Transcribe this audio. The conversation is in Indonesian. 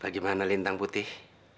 bagaimana lintang putih